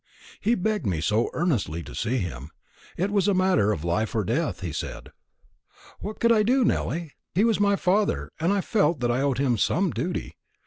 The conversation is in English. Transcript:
He begged me so earnestly to see him; it was a matter of life or death, he said. What could I do, Nelly? He was my father, and I felt that I owed him some duty.